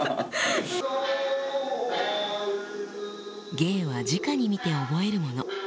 芸はじかに見て覚えるもの